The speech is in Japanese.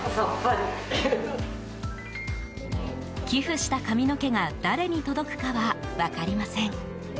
寄付した髪の毛が誰に届くかは分かりません。